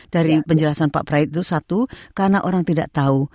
dari penjelasan pak prait itu satu karena orang tidak tahu